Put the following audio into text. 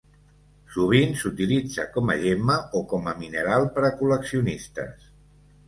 Sovint s'utilitza com a gemma o com a mineral per a col·leccionistes.